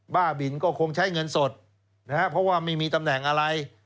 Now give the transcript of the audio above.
บ้าบินก็คงใช้เงินสดนะฮะเพราะว่าไม่มีตำแหน่งอะไร